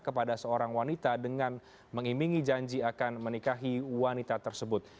kepada seorang wanita dengan mengimingi janji akan menikahi wanita tersebut